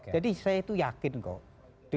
jadi saya itu yakin kok